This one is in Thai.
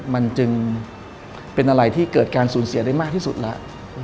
มันจึงเป็นอะไรที่เกิดการสูญเสียได้มากที่สุดแล้ว